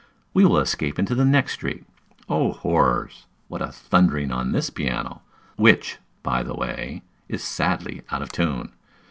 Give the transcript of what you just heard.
We will escape into the next street. Oh, horrors! what a thundering on this piano, which, by the way, is sadly out of tune!